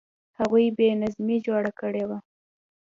هغوی بې نظمي جوړه کړې وه.